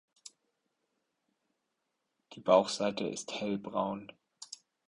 Die Bauchseite ist hellbraun.